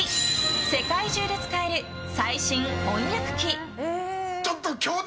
世界中で使える最新翻訳機。